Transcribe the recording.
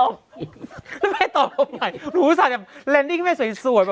แล้วไปต่อตรงไหนหนูรู้สึกว่าแรนดิ้งไม่สวยแบบว่าถ้าอากาศชวน